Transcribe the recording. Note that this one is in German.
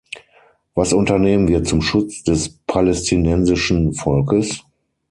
Was unternehmen wir zum Schutz des palästinensischen Volkes?